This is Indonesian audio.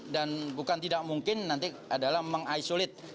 dan bukan tidak mungkin nanti adalah mengisolate